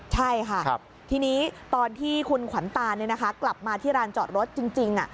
ใช่ค่ะทีนี้ตอนที่คุณขวัญตานกลับมาที่ร้านจอดรถจริง